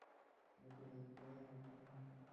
নাকি ভাগছিলাম আপনার সাথে?